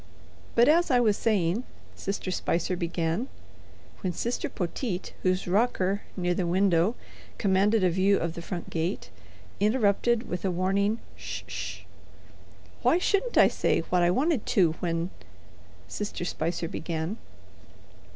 "But as I was saying—" Sister Spicer began, when Sister Poteet, whose rocker, near the window, commanded a view of the front gate, interrupted with a warning, "'Sh 'sh." "Why shouldn't I say what I wanted to when—" Sister Spicer began.